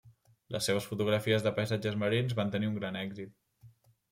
Les seves fotografies de paisatges marins van tenir un gran èxit.